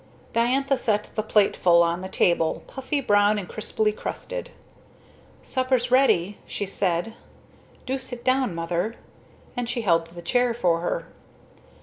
Diantha set the plateful on the table, puffy, brown, and crisply crusted. "Supper's ready," she said. "Do sit down, Mother," and she held the chair for her.